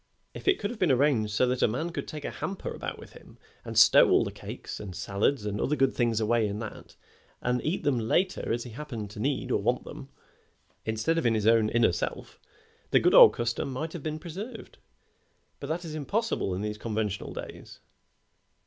If it could have been arranged so that a man could take a hamper about with him and stow all the cakes and salads and other good things away in that, and eat them later as he happened to need or want them, instead of in his own inner self, the good old custom might have been preserved, but that is impossible in these conventional days."